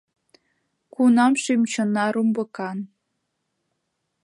Кунам шӱм-чонна румбыкан?